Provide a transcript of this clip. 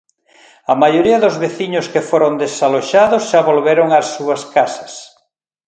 A maioría dos veciños que foron desaloxados xa volveron ás súas casas.